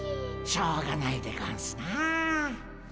しょうがないでゴンスなあ。